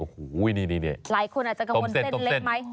หลายคนอาจจะกังวลเส้นเล็กไหม